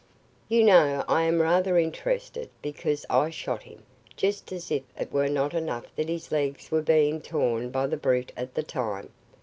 "You know I am rather interested, because I shot him, just as if it were not enough that his legs were being torn by the brute at the time.